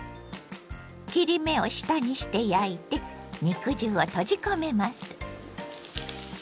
切り目を下にして焼いて肉汁を閉じ込めます。